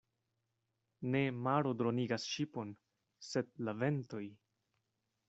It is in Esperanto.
Ne maro dronigas ŝipon, sed la ventoj.